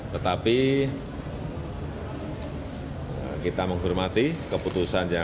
tetapi kita menghormati keputusan yang